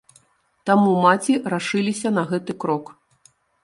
Таму маці рашыліся на гэты крок.